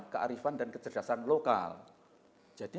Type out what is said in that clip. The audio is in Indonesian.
kearifan dan kecerdasan lokal jadi